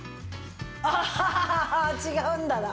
ああっ違うんだな。